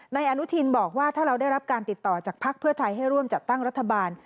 นายอนุทินบอกว่าถ้าเราได้รับการติดต่อจากภักดิ์เพื่อไทยให้ร่วมจัดตั้งรัฐบาล